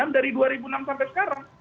dari dua ribu enam sampai sekarang